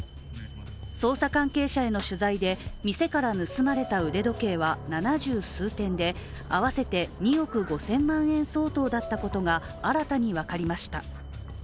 捜査関係者への取材で、店から盗まれた腕時計は七十数点で合わせて２億５０００万円相当だったことが新たに分かりました。